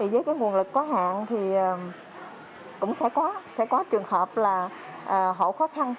với nguồn lực có hạn thì cũng sẽ có trường hợp là họ khó khăn